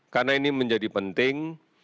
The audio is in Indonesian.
karena ini menjadi penting